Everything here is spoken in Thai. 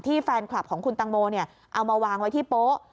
แฟนคลับของคุณตังโมเอามาวางไว้ที่โป๊ะ